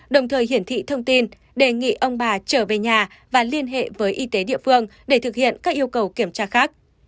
đồng thời hiển thị thông tin đề nghị ông bà trở về nhà và liên hệ với y tế địa phương để thực hiện các yêu cầu kiểm tra khác